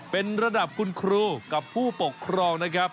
เป็นระดับคุณครูกับผู้ปกครองนะครับ